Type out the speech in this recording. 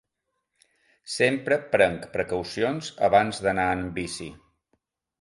Sempre prenc precaucions abans d'anar en bici.